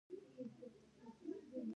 دا قلم و هغه ته نی نه وي.